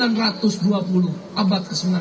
dan berita tersebut di kisah